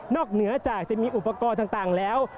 เหนือจากจะมีอุปกรณ์ต่างแล้ว